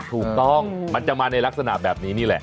ถูกต้องมันจะมาในลักษณะแบบนี้นี่แหละ